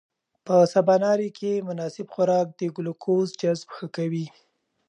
په سباناري کې مناسب خوراک د ګلوکوز جذب ښه کوي.